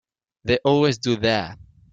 They always do that.